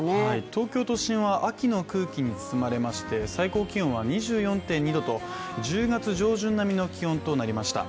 東京都心は秋の空気に包まれまして、最高気温は２４．２度と、１０月上旬並みの気温となりました。